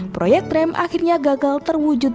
proyek rem akhirnya gagal terwujud